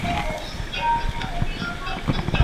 څېړونکی د موضوع نوې پوښتنه جوړوي.